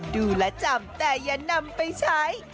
ดูและจำแต่อย่านำไปใช้